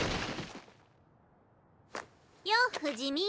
よう不死身。